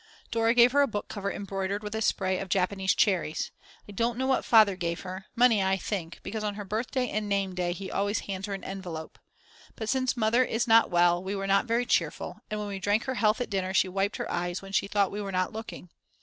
Dora gave her a book cover embroidered with a spray of Japanese cherries, I don't know what Father gave her, money I think, because on her birthday and name day he always hands her an envelope. But since Mother is not well we were not very cheerful, and when we drank her health at dinner she wiped her eyes when she thought we were not looking.